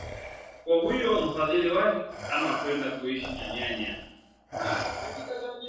kwa huyo mfadhili wake ama kwenda kuishi na nyanya